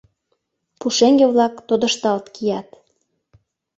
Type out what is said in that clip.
Пушеҥге-влак тодышталт кият.